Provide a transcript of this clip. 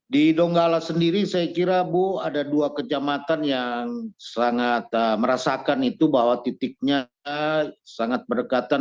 di donggala sendiri saya kira bu ada dua kecamatan yang sangat merasakan itu bahwa titiknya sangat berdekatan